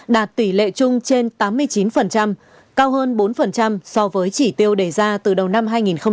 đạt tỷ lệ chung trên tám mươi chín cao hơn bốn so với chỉ tiêu đề ra từ đầu năm hai nghìn một mươi chín